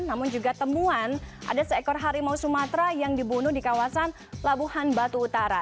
namun juga temuan ada seekor harimau sumatera yang dibunuh di kawasan labuhan batu utara